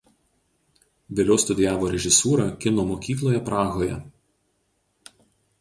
Vėliau studijavo režisūrą "Kino mokykloje" Prahoje.